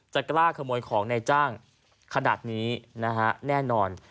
กล้าขโมยของในจ้างขนาดนี้นะฮะแน่นอน